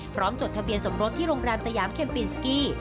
พร้อมจดทะเบียนสมรวจที่โรงแรมสยามเคยัมปินซกี้